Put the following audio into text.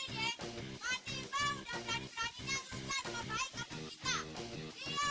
fatimah udah berani beraninya rusak dengan membaik kampung kita